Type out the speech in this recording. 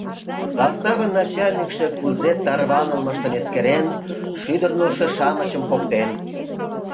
Заставын начальникше кузе тарванылмыштым эскерен, шӱдырнылшӧ-шамычым поктен.